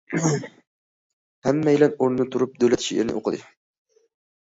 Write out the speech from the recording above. ھەممەيلەن ئورنىدىن تۇرۇپ، دۆلەت شېئىرىنى ئوقۇدى.